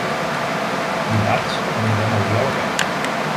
Dimarts anirem a Oriola a peu.